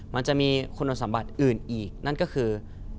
มันจะมีคุณสมบัติอื่นอีกนั่นก็คือ